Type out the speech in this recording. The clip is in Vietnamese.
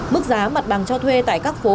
mức giá mặt bằng cho thuê tại các phố